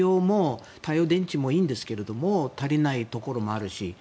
太陽電池もいいですが足りないところもあるし